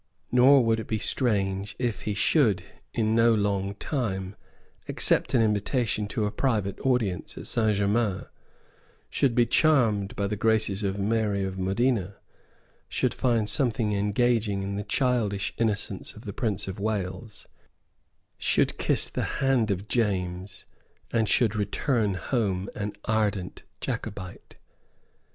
Nor would it be strange if he should, in no long time, accept an invitation to a private audience at Saint Germains, should be charmed by the graces of Mary of Modena, should find something engaging in the childish innocence of the Prince of Wales, should kiss the hand of James, and should return home an ardent Jacobite.